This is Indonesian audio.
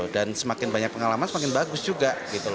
dan semakin banyak pengalaman semakin bagus juga